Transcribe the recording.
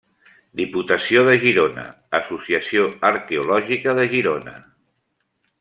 Diputació de Girona, Associació Arqueològica de Girona.